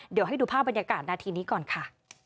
เดี๋ยวให้ดูภาพบรรยากาศนาทีนี้ก่อนค่ะ